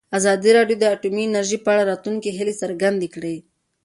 ازادي راډیو د اټومي انرژي په اړه د راتلونکي هیلې څرګندې کړې.